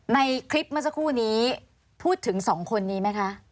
ในคลิปเมื่อสักครู่นี้พูดถึง๒คนนี้ไหมคะ